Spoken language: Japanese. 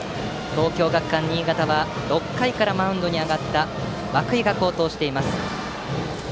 東京学館新潟は６回からマウンドに上がった涌井が好投しています。